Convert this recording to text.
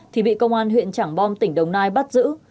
thì bị công an huyện trảng bom tỉnh đồng nai bắt giữ